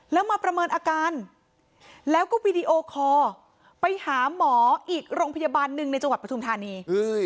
แล้วมาประเมินอาการแล้วก็วีดีโอคอร์ไปหาหมออีกโรงพยาบาลหนึ่งในจังหวัดปทุมธานี